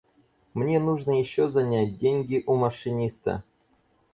Мне нужно еще занять деньги у машиниста.